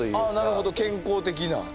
ああなるほど健康的な。